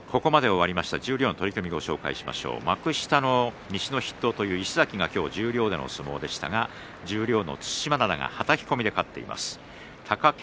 幕下の西の筆頭の石崎が今日、十両での相撲でしたが十両の對馬洋がはたき込みで勝っています。